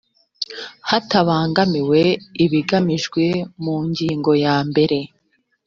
hatabangamiwe ibiteganyijwe mu ngingo ya mbere